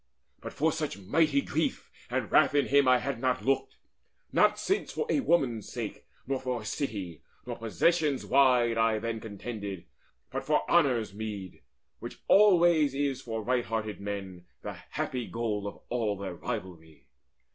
But for such mighty grief and wrath in him I had not looked, since not for a woman's sake Nor for a city, nor possessions wide, I then contended, but for Honour's meed, Which alway is for all right hearted men The happy goal of all their rivalry.